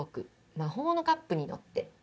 「魔法のカップに乗って」